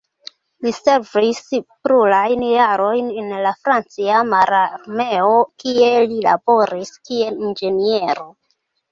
Li servis plurajn jarojn en la francia mararmeo, kie li laboris kiel inĝeniero.